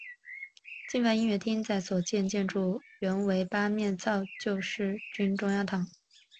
金帆音乐厅的所在建筑原为八面槽救世军中央堂。